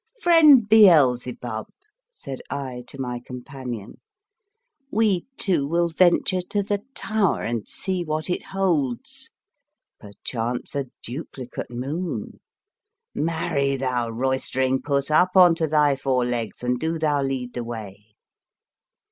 " Friend Beelzebub," said I to my companion, " We two will venture to the tower and see what it holds — per chance a duplicate moon ; marry, thou roistering puss, up on to thy four legs, and do thou lead the way!